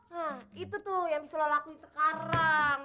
nah itu tuh yang bisa lo lakuin sekarang